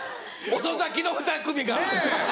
遅咲きの２組が。ねぇ。